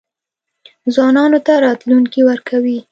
ځوانانو ته راتلونکی ورکوي.